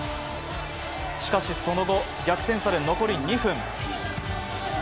しかしその後、逆転され残り２分。